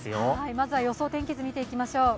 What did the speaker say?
まずは予想天気図見ていきましょう。